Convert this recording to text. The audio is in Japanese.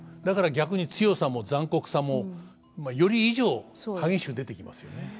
だから逆に強さも残酷さもより以上激しく出てきますよね。